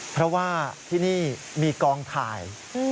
เพราะว่าที่นี่มีกองถ่าย